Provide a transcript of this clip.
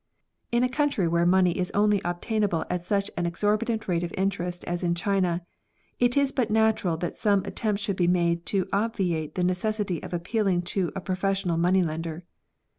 In a country where money is only obtainable at such an exorbitant rate o£ interest as in China, it is but natural that some attempt should be made to obviate the necessity of appealing to a professional money lender.